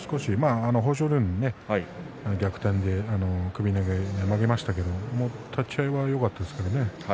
豊昇龍に逆転で首投げ粘りましたけれども立ち合いはよかったですね。